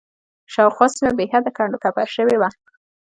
شاوخوا سیمه بېحده کنډ و کپر شوې وه.